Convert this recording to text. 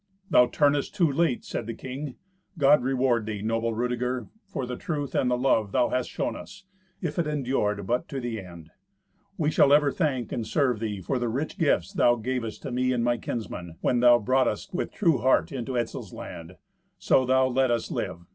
"Thou turnest too late," said the king. "God reward thee, noble Rudeger, for the truth and the love thou hast shown us, if it endure but to the end. We shall ever thank and serve thee for the rich gifts thou gavest to me and my kinsmen, when thou broughtest us with true heart into Etzel's land: so thou let us live.